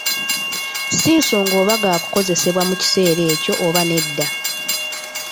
Ssi nsonga oba gaakukozesebwa mu kiseera ekyo oba nedda.